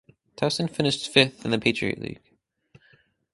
Towson finished fifth in the Patriot League.